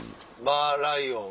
マーライオン。